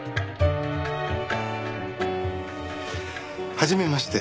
はじめまして。